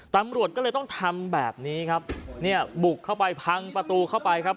ตำรวจก็เลยต้องทำแบบนี้ครับเนี่ยบุกเข้าไปพังประตูเข้าไปครับ